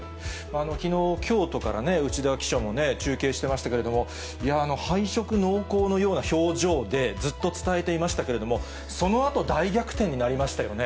きのう、京都からね、内田記者もね、中継してましたけれども、敗色濃厚のような表情で、ずっと伝えていましたけれども、そのあと、大逆転になりましたよね。